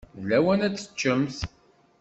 D lawan ad teččemt.